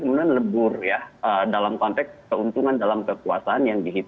kemudian lebur ya dalam konteks keuntungan dalam kekuasaan yang dihitung